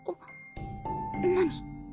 何？